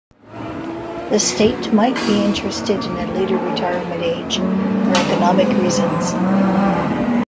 The state might be interested in a later retirement age for economic reasons.